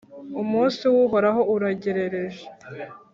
Umunsi w’Uhoraho uregereje